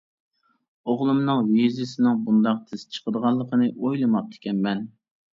ئوغلۇمنىڭ ۋىزىسىنىڭ بۇنداق تېز چىقىدىغانلىقىنى ئويلىماپتىكەنمەن.